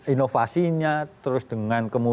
inovasinya terus dengan